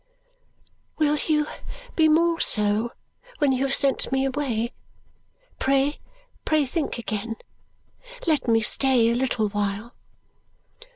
"Will you be more so when you have sent me away? Pray, pray, think again. Let me stay a little while!"